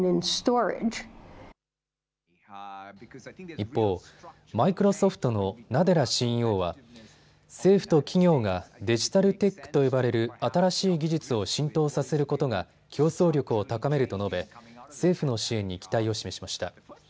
一方、マイクロソフトのナデラＣＥＯは政府と企業がデジタル・テックと呼ばれる新しい技術を浸透させることが競争力を高めると述べ政府の支援に期待を示しました。